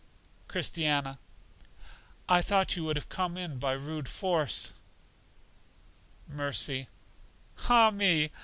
Christiana: I thought you would have come in by rude force. Mercy: Ah me!